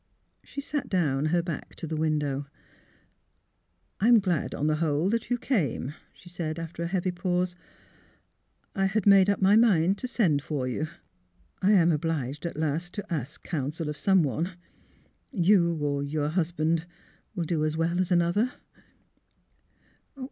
She sat down, her back to the window. "I'm glad, on the whole, that you came," she said, after a heavy pause. " I had made up my mind to send for you. I am obliged at last to ask counsel of someone. You — or your husband — will do as well as another."